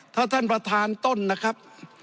ถ้าท่านประธานต้นนะครับ